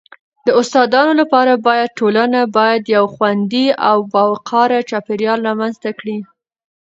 د استادانو لپاره باید ټولنه باید یو خوندي او باوقاره چاپیریال رامنځته کړي..